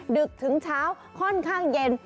ดึกถึงเช้าค่อนข้างเย็น